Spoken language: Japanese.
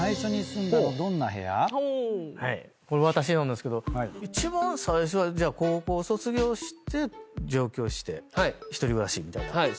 これ私なんですけど一番最初は高校卒業して上京して１人暮らしみたいな。